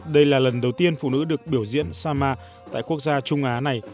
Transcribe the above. đây là lần đầu tiên phụ nữ được biểu diễn sama tại quốc gia trung á này